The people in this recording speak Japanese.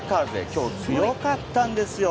今日、強かったんですよ。